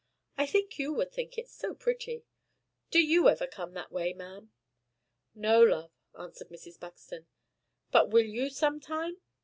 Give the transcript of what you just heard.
I think you would think it so pretty. Do you ever come that way, ma'am?" "No, love," answered Mrs. Buxton. "But will you some time?"